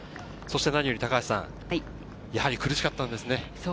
そして何より、やはり苦しかったんですね。